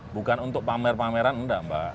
bukan untuk pamer pameran enggak mbak